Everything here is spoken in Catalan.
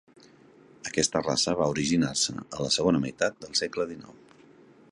Aquesta raça va originar-se a la segona meitat del segle XIX.